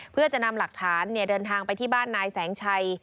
เพื่อจะนำหลักฐานเดินทางไปที่บ้านนายแสงชัย